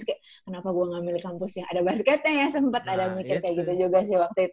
kenapa gua ga milih kampus yang ada basketnya ya sempet ada mikir kayak gitu juga sih waktu itu